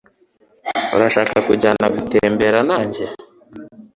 Urashaka kujyana gutembera nanjye?